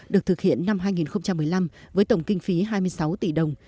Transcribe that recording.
được thực hiện năm hai nghìn một mươi năm với tổng kinh phí hai mươi sáu tỷ đồng